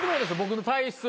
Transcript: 僕の体質。